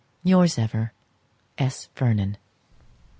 Yours ever, S. VERNON.